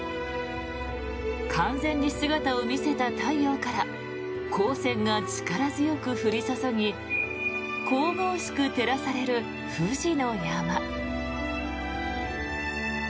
完全に姿を見せた太陽から光線が力強く降り注ぎ神々しく照らされる富士の山。